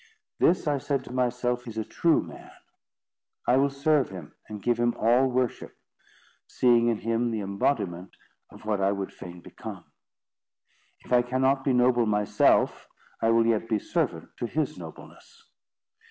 "This," I said to myself, "is a true man. I will serve him, and give him all worship, seeing in him the imbodiment of what I would fain become. If I cannot be noble myself, I will yet be servant to his nobleness."